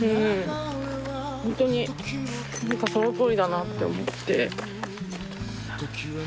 ホントにそのとおりだなって思って。